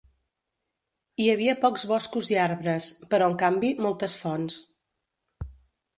Hi havia pocs boscos i arbres, però, en canvi, moltes fonts.